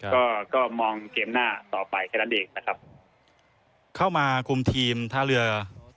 ก็ก็มองเกมหน้าต่อไปแค่นั้นเองนะครับเข้ามาคุมทีมท่าเรือ